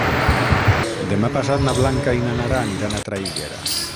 Demà passat na Blanca i na Nara aniran a Traiguera.